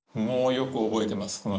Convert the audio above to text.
もうよく覚えてます